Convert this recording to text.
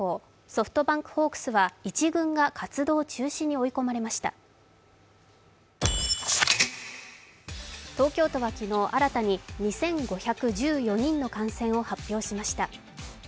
ソフトバンクホークスは１軍が活動中止に追い込まれました東京都は昨日、新たに２５１４人の感染を発表しました。